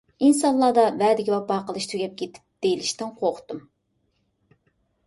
ئىنسانلاردا ۋەدىگە ۋاپا قىلىش تۈگەپ كېتىپ دېيىلىشتىن قورقتۇم.